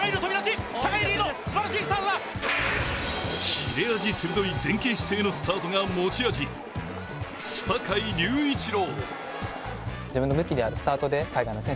切れ味鋭い前傾姿勢のスタートが持ち味、坂井隆一郎。